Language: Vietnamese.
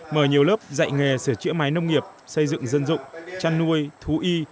mở nhiều lớp dạy nghề sửa chữa máy nông nghiệp xây dựng dân dụng chăn nuôi thú y